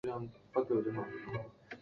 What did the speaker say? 新特巴斯是巴西巴拉那州的一个市镇。